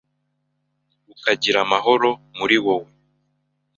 ukagira amahoro muri wowe,